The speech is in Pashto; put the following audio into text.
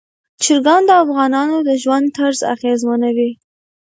چرګان د افغانانو د ژوند طرز اغېزمنوي.